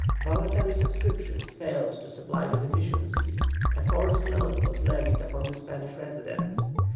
Voluntary subscriptions failed to supply the deficiency; a forced loan was levied upon the Spanish residents.